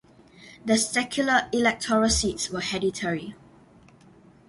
The secular electoral seats were hereditary.